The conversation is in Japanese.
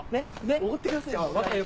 おごってくださいよ。